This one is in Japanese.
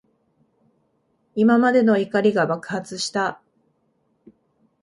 今までの怒りが爆発した。